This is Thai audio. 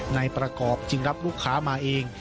นายประกอบจึงรับลูกค้ามาเอง